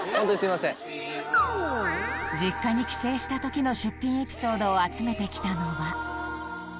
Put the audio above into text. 実家に帰省した時の出品エピソードを集めてきたのは